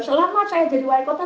selama saya jadi wali kota